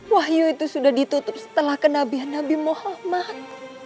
wahyu itu sudah ditutup setelah kenabihan nabi muhammad